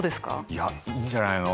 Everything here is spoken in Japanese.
いやいいんじゃないの？